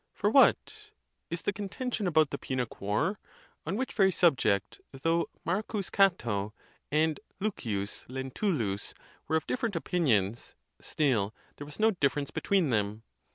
For what! is the contention about the Punic war? on which very subject, though M. Cato and L. Lentulus were of different opinions, still there was no ON GRIEF OF MIND. 113 difference between them.